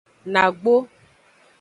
Nagbo.